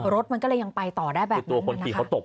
รถมันก็เลยยังไปต่อได้แบบนี้